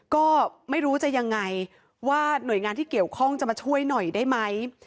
ก็ไม่รู้จะยังไงว่าหน่วยงานที่เกี่ยวข้องจะมาช่วยหน่อยได้ไหม